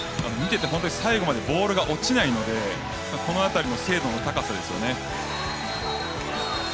見ていて最後までボールが落ちないのでこのあたりの精度の高さですよね。